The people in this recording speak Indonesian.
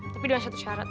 tapi dengan satu syarat